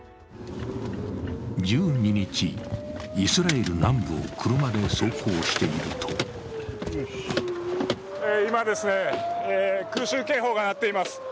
１２日、イスラエル南部を車で走行していると今、空襲警報が鳴っています。